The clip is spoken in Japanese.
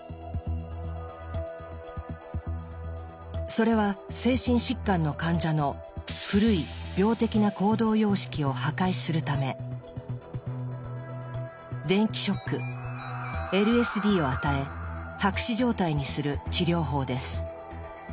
それは精神疾患の患者の「古い病的な行動様式を破壊」するため電気ショックＬＳＤを与え白紙状態にする治療法です。